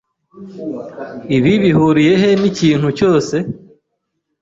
Ibi bihuriye he n'ikintu cyose?